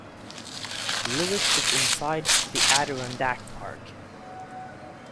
Lewis is inside the Adirondack Park.